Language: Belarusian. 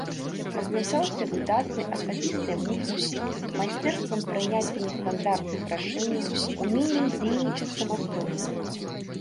Адзначаўся выдатнай асабістай мужнасцю, майстэрствам прыняцця нестандартных рашэнняў, уменнем дзейнічаць самастойна.